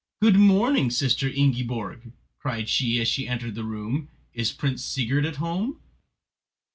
"Good morning, Sister Ingiborg," cried she as she entered the room, "is Prince Sigurd at home?"